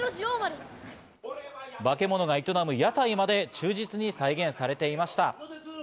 バケモノが営む屋台まで、忠実に再現されていました。